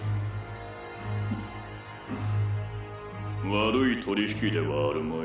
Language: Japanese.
「悪い取引ではあるまい」